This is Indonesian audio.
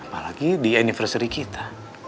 apalagi di anniversary kita